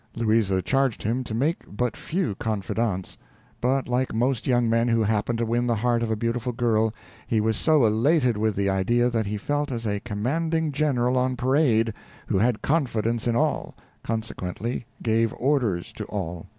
Louisa charged him to make but few confidants; but like most young men who happened to win the heart of a beautiful girl, he was so elated with the idea that he felt as a commanding general on parade, who had confidence in all, consequently gave orders to all.